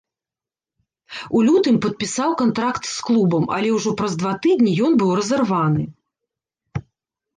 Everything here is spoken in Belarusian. У лютым падпісаў кантракт з клубам, але ўжо праз два тыдні ён быў разарваны.